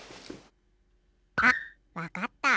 あっわかった。